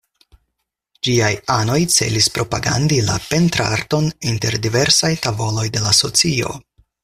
Ĝiaj anoj celis propagandi la pentrarton inter diversaj tavoloj de la socio.